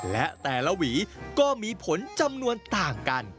และแต่ละหวีก็มีผลจำนวนต่างกัน